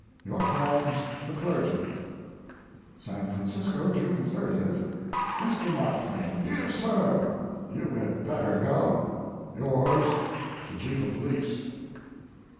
Your friends, THE CLERGY. SAN FRANCISCO, June 30th. MR. MARK TWAIN DEAR SIR, You had better go. Yours, THE CHIEF OF POLICE.